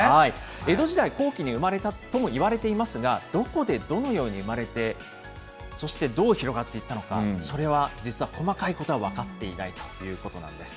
江戸時代後期に生まれたともいわれていますが、どこでどのように生まれて、そしてどう広がっていったのか、それは実は細かいことは分かっていないということなんです。